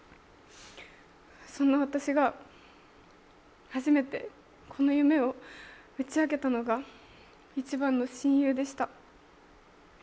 そんな私が初めてこの夢を打ち明けたのが一番の親友でした。